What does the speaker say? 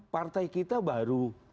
partai kita baru